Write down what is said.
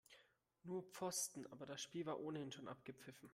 Nur Pfosten, aber das Spiel war ohnehin schon abgepfiffen.